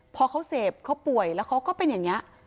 พอเขาเสพเขาป่วยแล้วเขาก็เป็นอย่างนี้